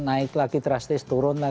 naik lagi drastis turun lah